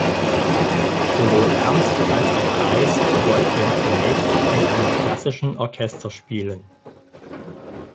Sowohl Ernst als auch Reis wollten zunächst in einem klassischen Orchester spielen.